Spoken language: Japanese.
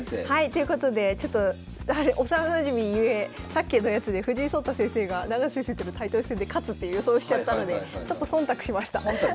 ということでちょっと幼なじみゆえさっきのやつで藤井聡太先生が永瀬先生とのタイトル戦で勝つって予想しちゃったのでちょっと忖度しました。